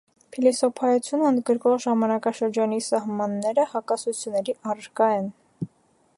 Վաղ միջնադարյան փիլիսոփայությունն ընդգրկող ժամանակաշրջանի սահմանները հակասությունների առարկա են։